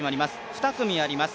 ２組あります。